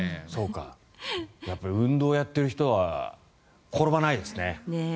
やっぱり運動をやってる人は転ばないですね。